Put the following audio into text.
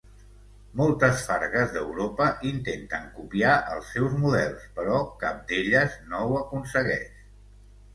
Moltes fargues d'Europa intenten copiar els seus models però cap d'elles no ho aconsegueix.